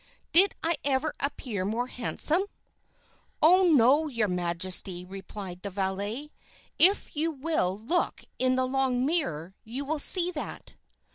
"Did I ever appear more handsome?" "Oh, no, your majesty," replied the valet. "If you will look in the long mirror, you will see that."